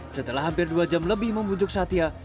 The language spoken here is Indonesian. setelah hampir dua jam lebih membujuk satya